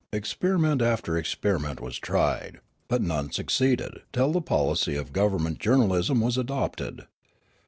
Experi ment after experiment was tried, but none succeeded till the policy of government journalism was adopted.